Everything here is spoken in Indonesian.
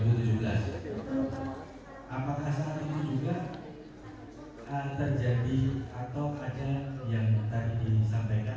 sedikit lagi apakah diwujudkan dengan fasilitas ataukah ada honor dalam itu